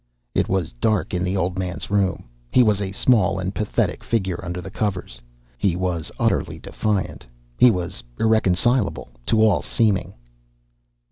It was dark in the old man's room. He was a small and pathetic figure under the covers. He was utterly defiant. He was irreconcilable, to all seeming.